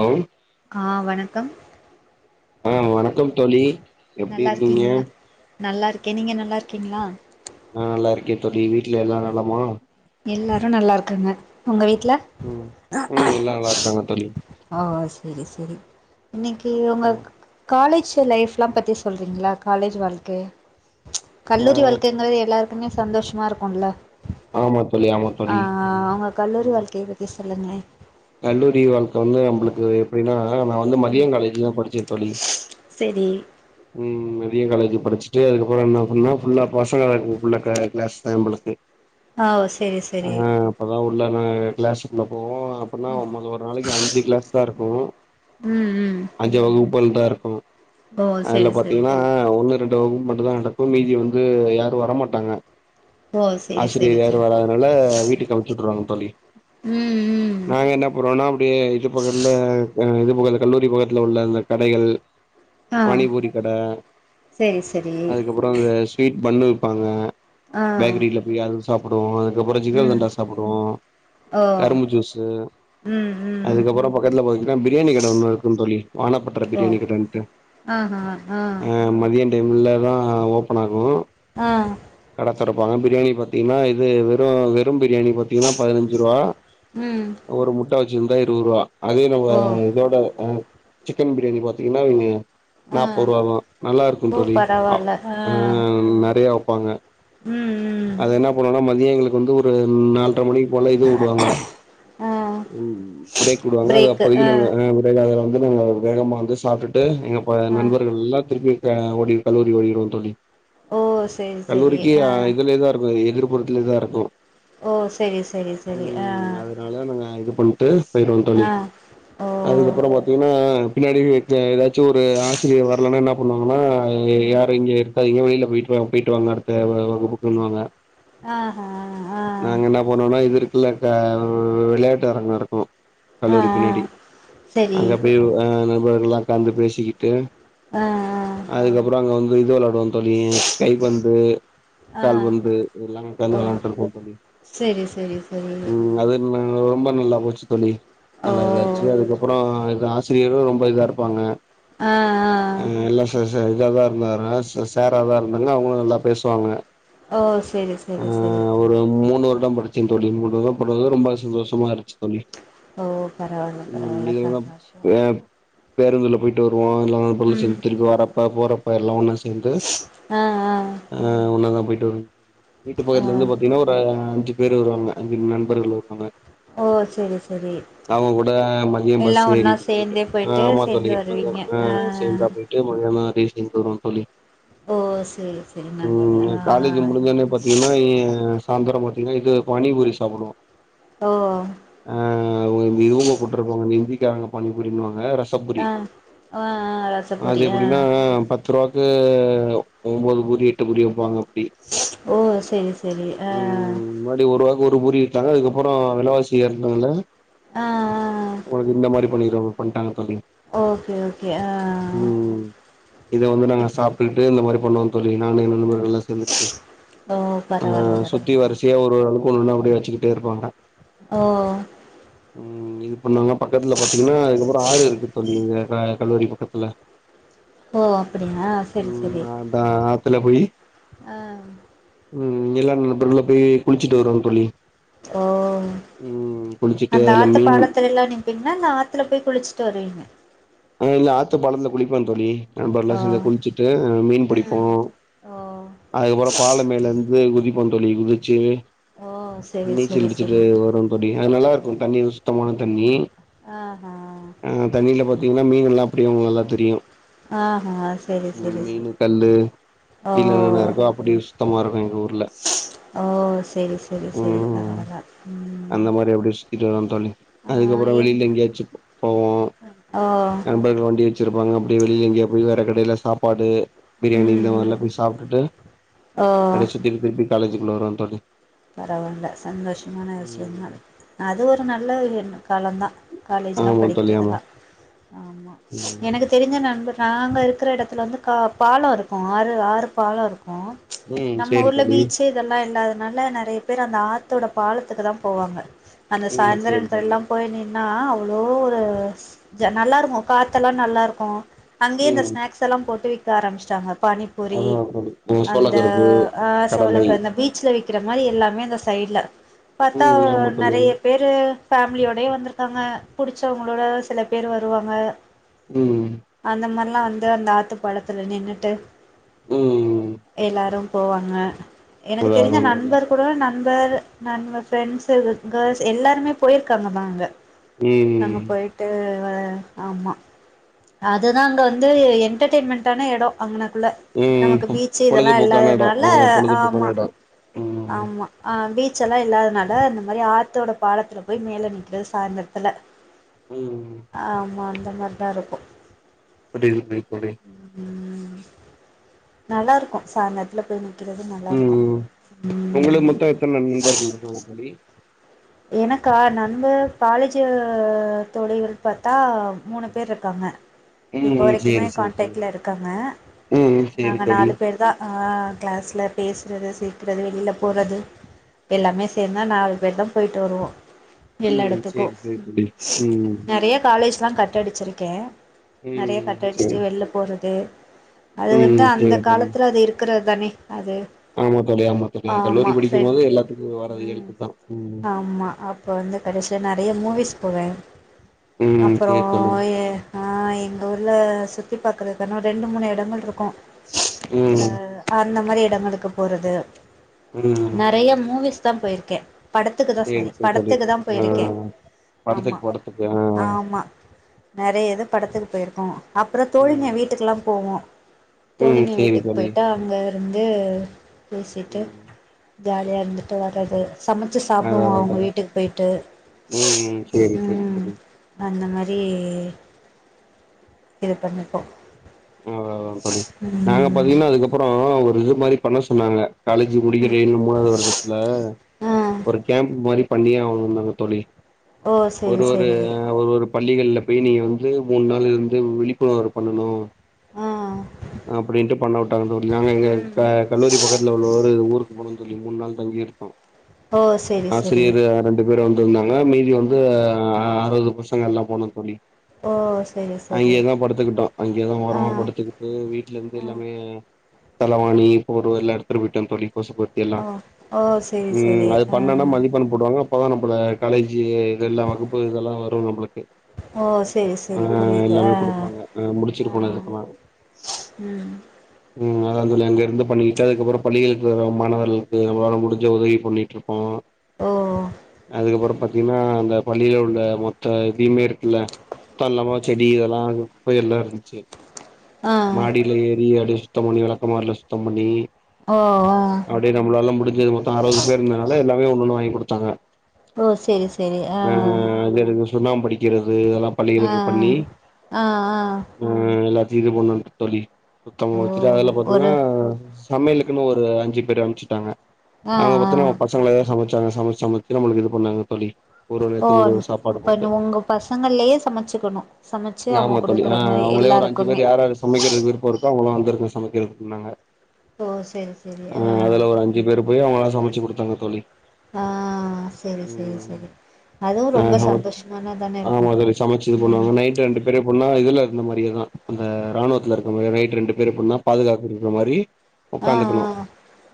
ஔ ஆ வணக்கம் ஆ வணக்கம் தோழி எப்டி நல்லா இருக்கீங்க இருக்கீங்களா நல்லா இருக்கே நீங்க நல்லா இருக்கீங்ளா நா நல்லா இருக்கே தோழி வீட்ல எல்லாரு நலமா எல்லாரு நல்லா இருக்காங்க உங்க வீட்ல ம் ம் எல்லா நல்லா இருக்காங்க தோழி ஓ சரி சரி இன்னைக்கி உங்க ஆ காலேஜ் லைஃப்லா பத்தி சொல்றீங்களா காலேஜ் வாழ்க்கை ஆ கல்லூரி வாழ்க்கைங்கிறது எல்லாரு எப்பமே சந்தோஷமா இருக்குல்ல ஆமா தோழி ஆமா ஆ தோழி ஆ அவுங்க கல்லூரி ம் வாழ்க்கையை பத்தி சொல்லுங்களே கல்லூரி வாழ்க்க வந்து நம்பளுக்கு எப்டினா ஆ நா வந்து மதியோ ம் காலேஜ் தா படிச்சே தோழி செரி ம் ம் மதியோ காலேஜு படிச்சுட்டு அதுக்கப்றோ என்ன பண்ண ஃபுல்லா பசங்க உள்ள க்ள க்ளஸ் தா எம்பளுக்கு ஆ ஓ செரி செரி உள்ள நா க்ளஸுக்குள்ள போவோ அப்புன்னா நமக்கு ஒரு நாளைக்கு அஞ்சு க்ளஸ் தா இருக்கு ம் ம் அஞ்சு வகுப்பல் தா இருக்கு ஓ அதுல செரி செரி பாத்தீங்னா ஒன்னு ரெண் கவு மட்டுந்தா நடக்கு மீதி வந்து யாரு வரமாட்டாங்க ஓ செரி செரி ஆசிரியர் யாரு செரி வராதுனால வீட்டுக்கு அம்ச்சுட்ருவாங்க தோழி ம் ம் நாங்க என்ன பன்னுனோன்னா அப்டியே இது பக்கத்துல இது பக்கத்துல கல்லூரி பக்கத்துல உள்ள அந்த கடைகள் ஆ பானிபூரி கட செரி செரி அதுக்கப்றோ இந்த ஸ்வீட் ஃபன்னு ப்பாங்க ஆ பேக்கிரில போய் அது சாப்டுவோ அதுக்கப்றோ ம் ஜிகர்தண்டா சாப்டுவோ ஓ கரும்பு ஜூஸ் எ ம் ம் அதுக்கப்பறோ பக்கத்துல பாத்தீங்கன்னா பிரியாணி கடை ஒன்னு இருக்கு தோழி வானப்பட்ற பிரியாணி கடைன்டு ஆ ஆ டைம்ல தா ஓப்பன் ஆகு ஆ தொரப்பாங்க பிரியாணி பாத்தீங்கன்னா இது வெறு வெறும் பிரியாணி பாத்தீங்கன்னா பதுனஞ்சு ரூவா ம் ஒரு முட்ட வச்சுருந்தா இருவது ரூவா அதே நம்ம ஓ இதோட அ சிக்கன் பிரியாணி பாத்தீங்கன்னா இங்க ஆ நாப்பது ரூவா தா நல்லா இருக்கு ஓ தோழி ஆ பரவால்ல அ நெறையா ப்பாங்க ம் ம் அது என்ன பண்ணுவோனா மதியோ எங்களுக்கு வந்து ஒரு நால்ர மணி கொலய்து வுடுவாங்க ஆ ப்ரேக் வுடுவாங்க அது அப்போதைக்கு நாங்க ஆ [unintelligible] அதுல வந்து நாங்க வேகமா வந்து சாப்ட்டுட்டு எங்க ப ஆ நண்பர்கள் எல்லா திருப்பி அ ஓடிட் கல்லூரி ஓடிருவோ தோழி ஓ செரி செரி கல்லூரிக்கி ஆ இதுலேதா இருக்கு எதிர்ப புதியதா இருக்கு ஓ செரி செரி செரி ஆ ம் அதனால நாங்க இது பண்ட்டு போயிருவோ தோழி ஆ ஓ அதுக்கப்பறோ பாத்தீங்கன்னா பின்னாடியு எ எதாச் ச்சோ ஒரு ஆசிரியர் வர்லனா என்ன பண்ணுவாங்கன்னா ம் யாரு இங்கே அது எங்கோ வெளில போயிட்டு போயிட்டு வாங்க அடுத்த [unintelligible] வாங்க ஆஹா ஆ நாங்க என்ன பண்ணுவோனா இது இருக்ல்ல த வெளயாட்டு அரங்கோ இருக்கு ஆ ஆ கல்லூரி பின்னாடி செரி அங்க போயிருவோ அ போர்ல்லா உக்காந்து பேசிக்கிட்டு ஆ ஆ அதுக்கப்பறோ அங்க வந்து இது வெளாடுவோ தோழி கை பந்து ஆ கால் வந்து இது எல்லாமே உக்காந்து ஓ வெளாண்ட்டு இருப்போ தோழி செரி செரி செரி நாங்க ரொம்ப நல்லா போச்சு தோழி நல்லா இதாச்சு ஓ அதுக்கப்றோ இது ஆசிரியரு ரொ ம்ப இதா இருப்பாங்க ஆ எ ஆ எல்லா இதாதா இருந்தாரா ச சார் ஆதா இருந்தாங்க அவுங்களு நல்லா பேசுவாங்க ஓ செரி செரி செரி படிச்சேன் தோழி [unintelligible] ரொம்ப சந்தோஷமா இருந்துச்சு தோழி ஓ பரவால ம் பரவால இதுலதா சந்தோஷோ பே பேருந்துல போயிட்டு வருவோ இல்ல [unintelligible] ம் சேந்து திருப்பி வர்ரப்ப போறப்ப எல்லா ஒன்னா சேந்து ஆ ஆ ஒன்னாதா போயிட்டு வருவோ வீட்டு ஆ ஆ பக்கத்துலந்து பாத்தீங்கன்னா ஒரு அஞ்சு பேரு வருவாங்க அஞ்சு நண்பர்கள் வருவாங்க ஓ செரி செரி அவுங்க கூட மதியம் எல்லா பஸ் ஏறி ஒன்னா போயிட்டு சேந்தே ஆ ஆமா சேந்து தோழி வருவீங்க மதியானோ ஆ சேந்தா போயிட்டு மதியானோ பேசிட்டே போயிருவோ தோழி ஓ செரி செரி நல்லது ஆ ம் காலேஜ் முடிஞ்ச ஒன்னே பாத்தீங்கன்னா ஏ சாய்ந்தரோ பாத்தீங்கன்னா இது பானிபூரி சாப்பிடுவோ ஓ ஆ இதுவுங்க போட்டிருப்பாங்க ஹிந்தி காரங்க பானிபூரினுவாங்க சப்புரி ஆ ஆ ஆ அது ரசப்பூரி ஆ எப்டினா பத்துருவா எ ஒம்பது பூரி எட்டு பூரி வெப்பாங்க ஓ செரி செரி ஆ ம் முன்னாடி ஒரு ரூவாக்கு ஒரு பூரி வித்தாங்க அதுக்கப்பறோ வெலவாசி ஏறினதுனால ஆ ஆ உங்களுக்கு இந்த மாரி பன்னிருவாங்க அப்டின் ஓகே ஓகே ஆ ம் இத வந்து நாங்க இப் சாப்டுட்டு இந்த மாரி பண்ணுவோ தோழி நானு என் நண்பர்கள் எல்லா சேந்துகிட்டு ஓ ஆ பரவால்ல சுத்தி பரவால்ல வரிசையா ஒரு அளவு பொண்ணுனா அப்டியே வெச்சுகிட்டே இருப்பாங்க ஓ ம் இது பண்ணுவாங்க பக்கத்துல பாத்தீங்கன்னா அதுக்கப்பறோ ஆறு இருக்கு தோழி இங்க எ கல்லூரி பக்கத்துல ஓ அப்டியா செரி செரி த்துல போயி ஆ ம் எல்லா நண்பர்களும் போய் குளிச்சிட்டு வருவோந் தோழி ஓ ம் குளிச்சுட்டு அந்த அதுல அந்த மீன் பாலத்துல எல்லா நிப்பீங்கலா இல்ல ஆத்துல போய் குளிச்சி ட்டு வருவீங்க ம் இல்ல ஆத்து பாலத்துல குளிப்பேன் தோழி நண்பர்கள் எல்லா சேந்து ஓ குளிச்சிட்டு மீன் பிடிப்போ ம் ஓ அதுக்கப்பறோ பால மேலந்து குதி ஆமாந் தோழி குதிச்சு ஓ செரி நீச்சல் செரி அடிச்சிட்டு செரி வருவோந் தோழி அது நல்லா தண்ணி சுத்தமான தண்ணீ ஆஹ்ஹ பாத்தீங்கன்னா மீன் எல்லா அப்டியே உங்களுக்கு நல்லா தெரியு ஆஹ்ஹ செரி ம் செரி மீனு செரி கல்லு ஓ கீழ என்னென்ன இருக்கோ அப்டி சுத்தமா இருக்கு எங்க ஊர்ல ஓ செரி செரி செரி ம் பரவால ம் அந்த மாரி அப்படி சுத்திட்டு வருவோந் தோழி ஆ அதுக்கப்பறோ எங் வெளில எங்கயாச்சு போவோ ஓ நண்பர்கள் வண்டி வெச்சிருப்பாங்க அப்டியே வெளில எங்கயா போய் வே ட்ட கடைல சாப்பாடு, பிரியாணி ம் இந்த ம் மாரில்லா போய் சாப்ட்டுட்டு ஓ அப்டியே சுத்திட்டு திருப்பி காலேஜிக்குள்ள வருவ தோழி பரவால்ல சந்தோஷமான விஷய ம் தா அது ஒரு நல்ல என் காலந்தா காலேஜ்லா ஆமா தோழி ஆமா படிக்கிறதெல்லா ஆமா ம் எனக்கு தெரிஞ்ச நண்பர் நாங்க இருக்கிற எடத்துல வந்து கா பால இருக்கு ஆறு ஆறு பாலம் இருக்கு கு ச் ம் நம்ம சேரி ஊர்ல தோழி பீச்சு இதெல்லா இல்லாதனால நெறைய பேர் அந்த ஆத்தோட பாலத் துக்கு தா போவாங்க அந்த ம் சாயந்திர சேரி இத்த தோழி எல்லா போய் நீ நா அவ்ளோ ஒரு ஜ நல்லா இருக்கு காத்தெல்லா நல்லா இருக்கு அங்கேயே இந்த ம் ஸ்நாக்ஸ் எல்லா போட்டு விக்க ஆரம்பிச்சிட்டாங்க பானிபூரி அதா தோழி ம் அந்த சோளக்கருப்பு ஆ கடலை சோளக்கரு பீச்சில விக்கிற மாரி எல்லாமே அந்த சைட்ல பாத்தா ம் ஆமா தோழி நெறைய ஆமா பேரு ஃபேமிலியோடயே வந்திருக்காங்க புடிச்சவங்களோட சில பேர் வருவாங்க ம் அந்த மாரிலா வந்து அந்த ஆத்துப்பாலத்துல நின்னுட்டு ம் எல்லாரு போவாங்க எனக்கு தெரிஞ்ச எல்லாருமா நண்பர் கூட நண்பர் நம்ம ப்ரெண்ட்ஸ் கேர்ள்ஸ் எல்லாருமே போயிருக்காங்க தான்ங்க அங்க ம் போயிட்டு ஆமா அதுதா அங்க வந்து என்டர்டெயின்மெண்டான எடொ அங்கன குள்ள ம் நமக்கு பொ பீச்சு இதெல்லா பொழுதுபோக்கான எடோ இல்லாதனால ஆ பொழுதுபோக்கான ஆமா எடோ ம் ஆமா ஆ பீச்சு எல்லா இல்லாதனால இந்த மாரி ஆத்தோட பாலத்துல போய் மேல நிக்கிறது சாய்ந்திரத் அதல ம் ஆமா அந்த மாரி தா இருக்கு புரியுதுங்க தோழி நல்லா இருக்கு சாய்ந்தரத்துல போய் நிக் நிக்கிறது நல்லா இருக்கு ம் உங்களுக்கு ம் மொத்தோ எத்தன நண்பர்கள் இருக்காங்க தோழி எனக்கா நம்ம காலேஜி தோழிகள் பாத்தா மூணு பேர் இருக்காங்க இப்ப ம் வரைக்குமே சேரி சேரி தோழி கான்டக்ட்ல இருக்காங்க ம் சேரி நாங்க தோழி நாலு பேர் தா அ கிளாஸ்ல இருப் பேசுறது சிரிக்கிறது வெளியில போறது எல்லாமே சேர்ந்தா நாலு பேர் தா போயிட்டு வருவோ எல்லா ம் எடத்துக்கு சேரி சேரி தோழி ம் நெறைய காலேஜ்லா கட் அடிச்சிருக்கே நெறைய ம் கட்டடிச்சுட்டு சேரி வெளில போறது அது வந்து ம் அந்த சேரி தோழி காலத்துல அது இருக்குற ஆமா தோழி ஆமா தோழி ஆமா கல்லூரி படிக்கும் ஃப்ரெண் போது எல்லாத்துக்குமே வர்ற ம் இயல்பு தா ம் ஆமா அப்போ வந்து கடைசியா நெறைய மூவிஸ் போவே ம் அப்பறோ சேரி தோழி ஏ ஆ எங்க ஊர்ல சுத்தி பாக்குறதுக்கானா ரெண்டு மூணு எடங்கள் இருக்கு அந்த ம் அந்த மாரி எடங்களுக்கு போறது ம் நெறைய மூவிஸ் த்த போயிருக்கே படத்துக்கு தா சேரி சரி சேரி தோழி படத்துக்கு தா ஆ போயிருக்கே ஆமா படத்துக்கு படத்துக்கு ஆ ஆமா நெறைய இது படத்துக்கு போயிருக்கோ அப்புறம் தோழிங்க ம் வீட்டுக்கெலா போவோ ம் தோழிங்க சேரி வீட்டுக்கு தோழி போயிட்டா அங்க வந்து பேசிட்டு ம் ஜாலியா இருந்துட்டு வரது சமைச்சு அதா சாப்பிடுவோ அதா அவங்க தோழி வீட்டுக்கு போயிட்டு ம் ம் சேரி சேரி ம் தோழி அந்த மாரி ப்படியே இது பண்ணிப்போ ஆ ஆ தோழி நாங்க ம் பாத்தீங்கன்னா அதுக்கப்புற ஒரு இது மாரி பண்ண சொன்னாங்க காலேஜ் முடிக்கிறன் மூணாவது வருடத்துல ஆ ஒரு கேம்ப் மாரி பண்ணியே ஆகணும்னாங்க தோழி ஓ செரி ஒரு ஒரு செரி ஒரு ஒரு பள்ளிகள்ல போய் நீங்க வந்து மூணு நாள் இருந்து விழிப்புணர்வு பண்ணனு ஆ அப்படின்ட்டு பண்ணவுட்டாங்க தோழி நாங்க எங்க ம் கல்லூரி பக்கத்துல உள்ள ஒரு ஊரு போனோ தோழி மூணு நாள் தங்கி இருப்போ ஓ செரி செரி ஆசிரியர் ரெண்டு பேர் வந்து இருந்தாங்க மீதி வந்து அறுவது பசங்க எல்லா போனோ தோழி ஓ செரி செரி அங்கேயேதா படுத்துக்கிட்டோ அங்கேயேதா பா ஆ இதுக்கு வீட்ல இருந்து எல்லாமே தலவாணி போர்வ எல்லா எடுத்துட்டு போயிட்டோ தோழி கொசுப்பத்தி எல்லா ஓ ஓ செரி ம் செரி அது ஆ பண்ணன்னா மதிப்பெண் போடுவாங்க அப் போதா நம்மள காலேஜ்ஜி இதெல்லா வகுப்பு இதெல்லா வரு நம்ளுக் ஓ செரி ஆ செரி புரியுது எல்லாமே ஆ குடுப்பாங்க ஆ முடிச்சிட்டுப்போனது ம் ம் அத தோழி அங்கருந்து பண்ணிக்கிட்டு அதுக்கப்புறோ பள்ளிகளுக்கு வர மாணவர்களுக்கு நம்ளால முடிஞ்ச உதவி பண்ணிட்ருப்போ ஓ அதுக்கப்புறோ‌ பாத்தீங்கன்னா அந்த பள்ளியில உள்ள மொத்த இதையுமேர் இல்ல தள்ளமா செடி இதெல்லா குப்போய் எல்லா இருந்துச்சி ஆ மாடில ஏறி அடி சுத்தம் பண்ணி வெளக்குமார்ல சுத்தம் பண்ணி ஓ ஆ அப்டியே நம்மளாலா முடிஞ்சது மொத்தோ அறுவது பேர் இருந்ததுனால எல்லாமே ஒன்னொன்னு வாங்கி கொடுத்தாங்க ஓ செரி செரி ஆ அங்கிருந்து சுண்ணாம்படிக்கிறது இது இதெல்லா ஆ பள்ளிகளுக்கு பண்ணி ஆ ஆ ரு எல்லாத்தையு இது பண்ணுவோ தோழி சுத்தமா ஓ வெச்சிட்டு அதுல பாத்தீங்கன்னா ஒரு சமையலுக்குன்னு ஒரு அஞ்சிப் பேர அம்ச்சிட்டாங்க ஆ ஆ அகமொத்தோ நம்ம பசங்களேதா சமச்சாங்க சமச்சி சமைச்சி நம்ளுக்கு இது பண்ணாங்க தோழி ஒரு ஒரு ஓ நேரத்துக்கு ஒரு ஒரு சாப்பாடு இப்ப போட்டு உங்க பசங்கள்ளையே சமச்சிக்கணு சமச்சி அவுங்க குடுக்குற மாரி அவுங்களே ஒரு அஞ்சி பேரு எல்லாருக்குமே யார்ராரு சமைக்கறதுக்கு விருப்போருக்கோ அவுங்களா வந்துருங்க சமைக்கிறதுக்குன்னாங்க ஓ செரி செரி அ ஆ அதுல ஒரு அஞ்சி பேரு போய் அவங்களா சமச்சி குடுத்தாங்க தோழி ஆ செரி செரி ம் செரி அதுவு ரொம்ப [unintelligible] சந்தோஷமான தானே இருக்கு ஆமா தோழி சமச்சது பண்ணுவாங்க நைட் ரெண்டு பெரிய பொண்ணா இதுலருந் அம்மாரியேதா அந்த ராணுவத்துல இருக்குமே நைட்டு ரெண்டு பெரிய பொண்ணா பாதுகாப்பு இருக்குற மாரி ஆ ஒக்காந்துக்கணு ஆ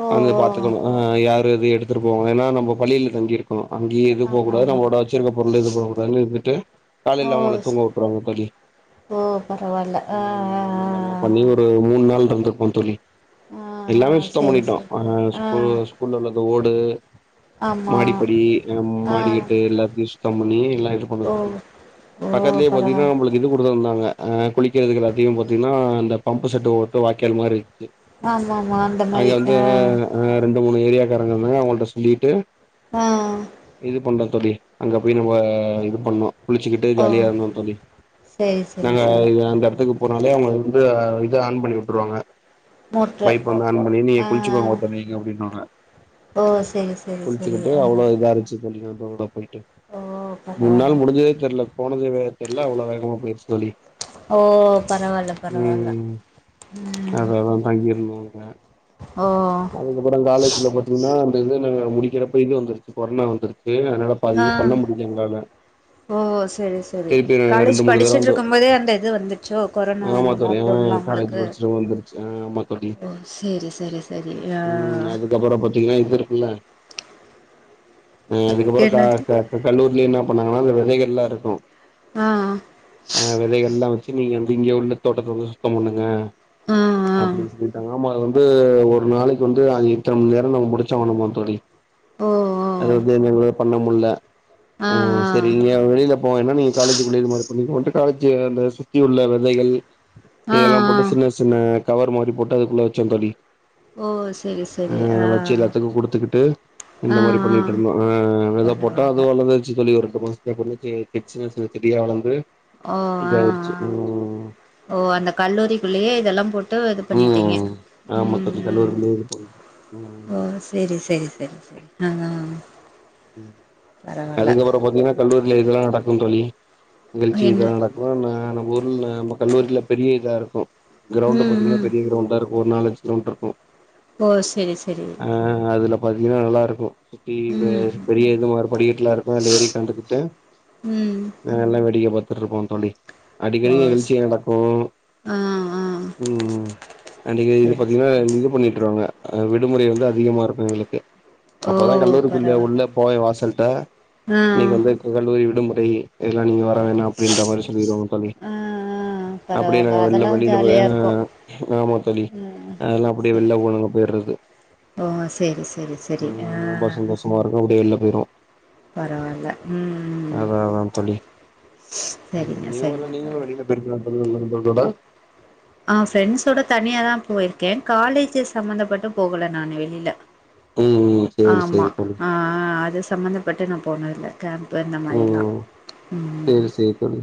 ஓ வந்து ஓ பாத்துக்கணு அ யார் து எது எடுத்துட்டு போவாங்க ஏன்னா நம்ப பள்ளியில தங்கிருக்கோ அங்கேயே எது போகக் ஆமா கூடாது ஆமா அவுங்ளோட வெச்சிருக்க பொருளு எது போகக்கூடாதுனு இருந்துட்டு ஓ காலைல அவுங்கள ஸ் தூங்க வுட்றுவாங்க தோழி ஓ பரவால்ல ஆ ஆ ம் அந்த மார்லா ஆ பண்ணி ஒரு மூண் நாள்ருந்ருப்போ தோழி ஆ ஆ எல்லாமே சுத்தம் செரி பண்ணிட்டோ செரி அ ஆ ஸ்கூல் ஸ்கூல்ல உள்ள ஓடு ஆமா மாடிப்படி ஆ மாடிக்கிட்டு எல்லாதையு சுத்தம் பண்ணி எல்லாத் அ இருப்பாங்கள் ஓ தோழி ஓ பக்கத்லயே பத்தீங்னா பரவால்ல நம்ளுக்கு இது குடுத்துருந்தாங்க அ குளிக்கிறதுக்கு எல்லாத்தயு பாத்தீங்ன்னா இந்த பம்பு செட்டு ஓட்டோ வாய்க்கால் மாரி ஆமா ஆமா அந்த அங்க மாரி வந்து ஆ அ ரெண்டு மூணு ஏரியாக்காரங்க இருந்தாங்க அவங்கள்ட்ட சொல்லிட்டு ஆ இது பண்ணோ தோழி அங்க போய் நம்ம இது பண்ணோ குளிச்சிக்கிட்டு ஓ ஜாலியாருந்தோ தோழி செரி செரி நாங்க அ செரி அந்த எடத்துக்கு போனாலே அவுங்க வந்து இத ஆன் பண்ணி வுட்ருவாங்க மோட்ரு பைப்பு வந்து ஆன் பண்ணி நீங்க ஆ குளிச்சிகோங்க தம்பி இங்க அப்டின்னுவாங்க ஓ செரி செரி செரி குளிச்சிக்கிட்டு ஆ அவ்ளோ இதா இருந்ச்சி தோழி க்ரௌடா போயிட்டு ஓ மூண் நாள் பரவால்ல முடுஞ்சதே தெர்ல போனதே தெர்ல அவ்ளோ வேகமா போயிருச்சி தோழி ஓ பரவால்ல பரவால்ல ம் ம் அததா ஓ அதுக்கப்றோ காலேஜ்ல பாத்தீங்ன்னா அந்த இன்டர்னல் வேல முடிக்கிறப்ப இது வந்துருச்சி கொரனா வந்துருச்சி தேன நடப்பாதி ஆ இது பண்ண முடில எங்ளால ஓ செரி செரி காலேஜ் மூணு தடவ வந்து படிச்சிட்ருக்கும் போதே அந்த இது வந்திச்சோ கொரனா ஆமா அந்த தோழி ஆ லாக்டவுன் லா காலேஜ் உங்களுக்கு படிச்சுட்டு வந்துருச்சு ஆ ஆமா தோழி ஓ செரி செரி செரி ஆ ம் அதுக்கப்புறோ பாத்தீங்கன்னா இது இருக்குல்ல அ அதுக்கப்றோ க என்னது க கல்லூரிலியே என்ன பண்ணாங்கன்னா அந்த விதைகள்லாருக்கு ஆ அ விதைகள்ல்லா வெச்சி நீங்க வந்து இங்க உள்ள தோட்டத்துல வந்து சுத்தம் பண்ணுங்க ஆ ஆ அப்டின் சொல்லிட்டாங்க ஆமா அது வந்து ஒரு நாளைக்கு வந்து ஆ இத்தன மண் நேரோ நம்ம முடிச்சாகணும்மா தோழி ஓ ஓ அது வந்து [unintelligible] பண்ணம் முட்ல ஆ ம் ஆ செரி நீங்க வெளில போவேண்டா நீங்க காலேஜிக்குள்ள இதுமாரி இந்த பொட்டு காலேஜி அந்த சுத்தி உள்ள விதைகள் ஆ ஆ இதெல்லா போட்டு சின்ன சின்ன கவர் மாரி போட்டு அதுக்குள்ள வெச்ச தோழி ஓ செரி செரி அ ஆ வெச்சி எல்லாத்துக்கு குடுத்துக்குட்டு இந்த ஆ ஆ மாரி பண்ணிட்ருந்தோ அ இத போட்டா பரவால்ல அது வளந்துருச்சி தோழி ஒருப்பக்கோ [unintelligible] சின்ன சின்ன செடியா வளந்து ஓ ஆ இதாயிடுச்சு ஆ ம் ஓ அந்த கல்லூரிக்குள்ளேயே இதெல்லாம் போட் ட்டு இது பண்ணிட்டீங்க ம் ஆமா ம் தோழி ம் கல்லூரிலே இது பண்ணிட்டோ ம் ஓ செரி செரி செரி செரி ‌அ அ அதுக்கப்புறோ பாத்தீங்ன்னா கல்லூரில இதெல்லா நடக்கு தோழி நிகழ்ச்சி என்ன இதா நடக்கு ந நம்ப ஊர்ல நம்ம கல்லூரில பெரிய இதா இருக்கு க்ரௌவுண்டு ம் பாத்தீங்கன்னா ம் பெரிய க்ரௌவுண்டா இருக்கு ஒரு நால் அஞ்சு கிலோ மீட்டர் இருக்கு ஓ செரி செரி ஆ அதுல பாத்தீங்கன்னா நல்லா இருக்கு சுத்தி வ ம் பெரிய இது மாரி படிக்கெட்ல்லா இருக்கு அத்ல ஏறி ஒக்காந்துகிட்டு ம் நாங்கெல்லா வேடிக்க பாத்துட்ருப்போ தோழி அடிக்கடி ஓ ஸ் நிகழ்ச்சி நடக்கு ஆ ஆ ம் ம் அன்னிக்கு இது சரி ச பாத்தீங்கன்னா இது பண்ணி கிறவங்க அ விடுமுறை வந்து அதிகமா இருக்கு எங்களுக்கு ஓ அப்பதா கல்லூரிக்குள்ள பரவால்ல உள்ள போய் வாசல்ட்ட ஆ இன்னைக்கு வந்து கு கல்லூரி விடுமுறை எல்லா நீங்க வர வேணா அப்படின்ற மாரி சொல்லிருவாங்க தோழி ஆ ஆ அப்படியே நாங்க பரவால்ல வெள்ள அதெல்லா வெளியில போய் அ ஜாலியா இருக்கு அ ஆமா தோழி அதெல்லா அப்படியே சரி வெள்ள போனவ்ங்க போயி றது ஓ செரி செரி செரி அ உள்ள போய்ருவோ பரவால்ல ம் ம் ம் அதா அதா தோழி ம் இது போல நீங்களு வெளியில போய்ருக்கிங்ளா [unintelligible] ஆ ஃப்ரெண்ஸ்ஸோட தனியாதா போய்ருக்கேன் காலேஜு சம்பந்தப் பட்டு போகல நானு வெளில ம் அ சேரி ஆமா சேரி தோழி அ அ அ அது சம்பந்தப்பட்டு நா போனதுல்ல கேம்ப்பு அந்த மாரிலா ம் ம் ம் ம் சேரி சேரி தோழி